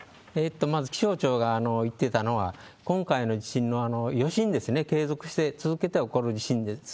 まず、気象庁が言っていたのは、今回の地震の余震ですね、継続して、続けて起こる地震です。